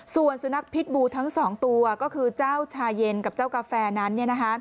ส่วนสุนัขพิษบูทั้ง๒ตัวก็คือเจ้าชาเย็นกับเจ้ากาแฟนั้น